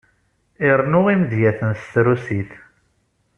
Irennu imedyaten s trusit.